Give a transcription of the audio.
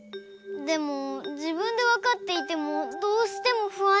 でもじぶんでわかっていてもどうしてもふあんになっちゃう。